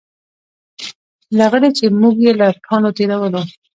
لغړی چې موږ یې له تاڼو تېرولو.